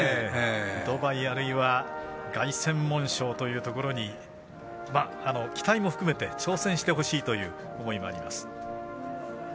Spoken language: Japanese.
ドバイ、あるいは凱旋門賞というところに期待も含めて挑戦してほしいという思いもあります。